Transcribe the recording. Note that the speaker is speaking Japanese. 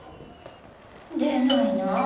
出ないなぁ。